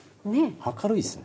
明るいですね。